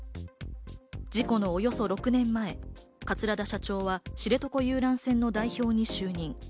事故のおよそ６年前、桂田社長は知床遊覧船の代表に就任。